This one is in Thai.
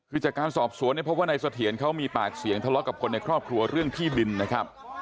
วิจากรสอบสวนนะเพราะว่าในสุเทียนเขามีปากเสี่ยงทะเลาะกับคนในครอบครัวเรื่องพี่บิลนะครับ